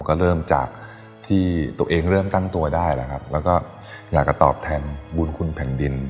ก็เริ่มจากที่ตัวเองเริ่มตั้งตัวได้แล้วครับแล้วก็อยากจะตอบแทนบุญคุณแผ่นดิน